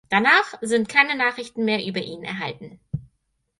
Danach sind keine Nachrichten mehr über ihn erhalten.